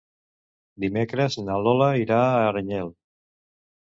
Dimecres na Lola irà a Aranyel.